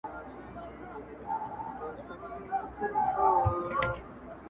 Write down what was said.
خو اوږده لکۍ يې غوڅه سوه لنډی سو-